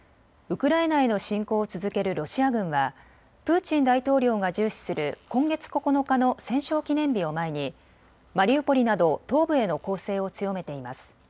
ウクライナへの侵攻を続けるロシア軍はプーチン大統領が重視する今月９日の戦勝記念日を前にマリウポリなど東部への攻勢を強めています。